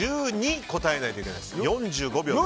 １２答えないといけないです。